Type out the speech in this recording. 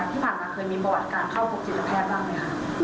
ที่ผ่านมาเคยมีประวัติการเข้าพบจิตแพทย์บ้างไหมคะ